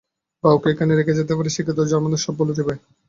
বা ওকে এখানে রেখে যেতে পারি, সেক্ষেত্রে ও জার্মানদের সব বলে দেবে।